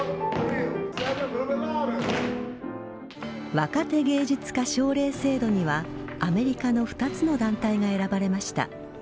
若手芸術家奨励制度にはアメリカの２つの団体が選ばれました。